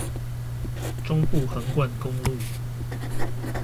中部橫貫公路